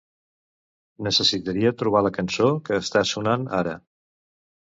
Necessitaria trobar la cançó que està sonant ara.